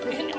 eh ini mas